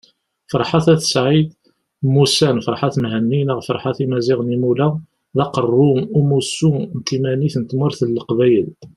Ferḥat At Said mmusan Ferhat Mehenni neɣ Ferhat Imazighen Imula, d Aqerru n Umussu n Timanit n Tmurt n Leqbayel